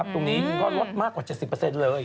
ตรงนี้ก็ลดมากกว่า๗๐เลย